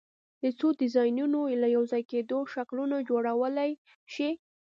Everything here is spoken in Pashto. د څو ډیزاینونو له یو ځای کېدو شکلونه جوړولی شئ؟